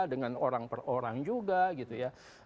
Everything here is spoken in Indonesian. dengan orang per orang juga gitu ya